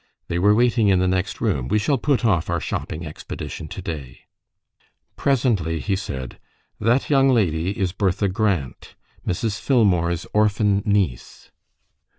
They were waiting in the next room. We shall put off our shopping expedition to day." Presently he said, "That young lady is Bertha Grant, Mrs. Filmore's orphan niece.